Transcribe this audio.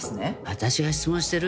私が質問してる。